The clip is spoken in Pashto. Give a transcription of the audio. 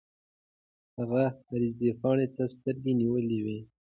هغه عرض پاڼې ته سترګې نیولې وې.